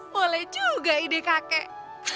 boleh juga ide kakek